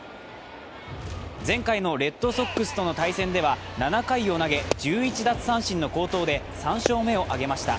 前回のレッドソックスとの対戦では７回を投げ１１奪三振の好投で３勝目を挙げました。